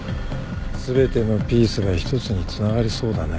全てのピースが一つにつながりそうだね。